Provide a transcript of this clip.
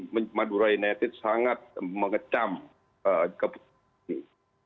madura united sangat mengecam keputusan ini